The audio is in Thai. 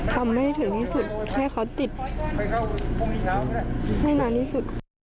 ทำให้ถึงที่สุดให้เขาติดให้นานที่สุด